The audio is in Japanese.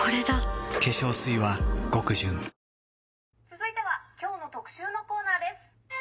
続いては「今日の特集」のコーナーです。